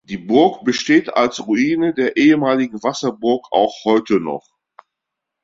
Die Burg besteht als Ruine der ehemaligen Wasserburg auch heute noch.